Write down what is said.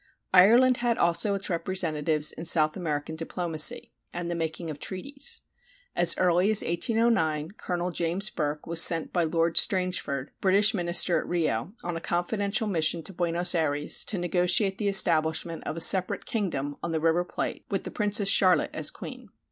Ireland had also its representatives in South American diplomacy and the making of treaties. As early as 1809 Colonel James Burke was sent by Lord Strangford, British minister at Rio, on a confidential mission to Buenos Ayres to negotiate the establishment of a separate kingdom on the river Plate, with the Princess Charlotte as queen.